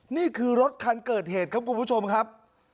นี่คือรถคันเกิดเหตุครับคุณผู้ชมครับ